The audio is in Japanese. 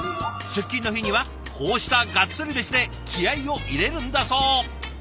出勤の日にはこうしたガッツリ飯で気合いを入れるんだそう。